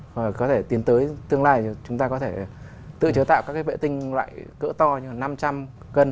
và có thể tiến tới tương lai chúng ta có thể tự chế tạo các cái vệ tinh loại cỡ to như là năm trăm linh cân